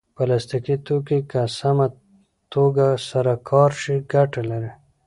پلاستيکي توکي که سمه توګه سره کار شي ګټه لري.